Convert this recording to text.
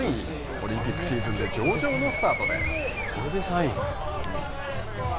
オリンピックシーズンで上々のスタートです。